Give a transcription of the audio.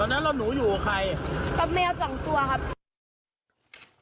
ตอนนั้นเราหนูอยู่กับใครกับแม่สองตัวครับ